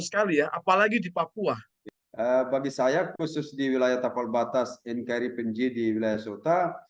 sekali ya apalagi di papua bagi saya khusus di wilayah tapal batas nkri penji di wilayah sota